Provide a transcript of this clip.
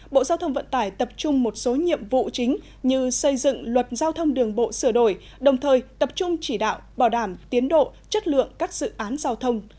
bộ giao thông vận tải tập trung một số nhiệm vụ chính như xây dựng luật giao thông đường bộ sửa đổi đồng thời tập trung chỉ đạo bảo đảm tiến độ chất lượng các dự án giao thông